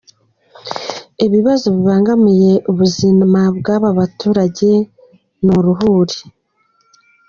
Ibibazo bibangamiye ubuzima bw’aba baturage ni uruhuri.